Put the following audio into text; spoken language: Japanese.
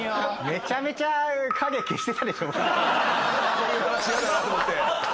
こういう話やだなと思って？